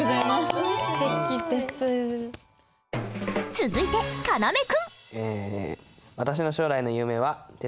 続いてかなめ君！